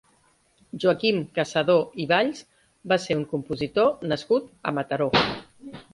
Joaquim Cassadó i Valls va ser un compositor nascut a Mataró.